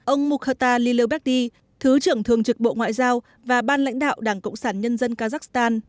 ông mokhta lilerberti thứ trưởng thường trực bộ ngoại giao và ban lãnh đạo đảng cộng sản nhân dân kazakhstan